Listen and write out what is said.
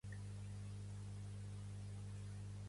Tots van ser batejats pel bisbe de Milà sant Gai.